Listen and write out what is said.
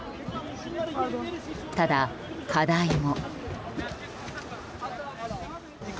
ただ、課題も。